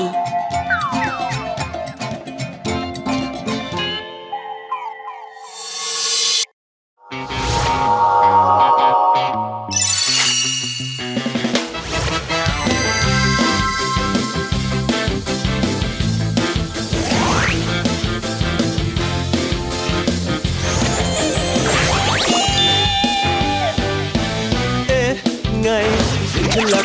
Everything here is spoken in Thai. มิสาธารณ์อีก